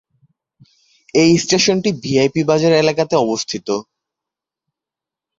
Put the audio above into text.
এই স্টেশনটি ভিআইপি বাজার এলাকাতে অবস্থিত।